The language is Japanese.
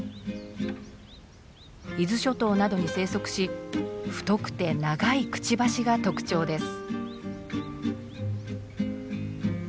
伊豆諸島などに生息し太くて長いくちばしが特徴です。